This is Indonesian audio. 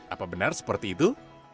apa benar seperti itu